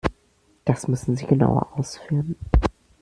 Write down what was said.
Das müssen Sie genauer ausführen.